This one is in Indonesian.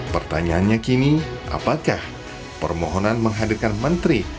pertanyaannya kini apakah permohonan menghadirkan menteri